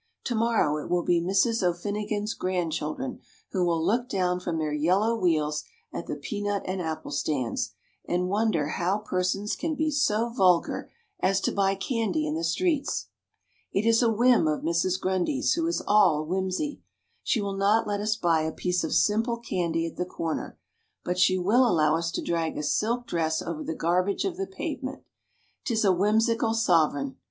To morrow it will be Mrs. O'Finnigan's grandchildren who will look down from their yellow wheels at the peanut and apple stands, and wonder how persons can be so vulgar as to buy candy in the streets. It is a whim of Mrs. Grundy's, who is all whimsey. She will not let us buy a piece of simple candy at the corner, but she will allow us to drag a silk dress over the garbage of the pavement. 'Tis a whimsical sovereign.